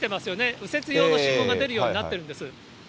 右折用の信号が出るようになっているんです。